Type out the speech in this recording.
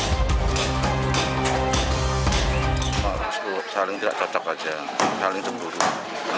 pembangunan rumah ini di pondorogo justru menggugat cerai sang istri yang saat ini masih menjadi burung migran